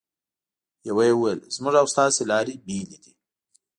یوه یې وویل: زموږ او ستاسې لارې بېلې دي.